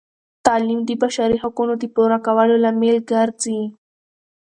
تعلیم د بشري حقونو د پوره کولو لامل ګرځي.